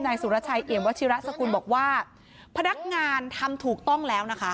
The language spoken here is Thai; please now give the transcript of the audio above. สุรชัยเอี่ยมวัชิระสกุลบอกว่าพนักงานทำถูกต้องแล้วนะคะ